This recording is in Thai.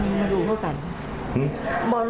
อันนี้แม่งอียางเนี่ย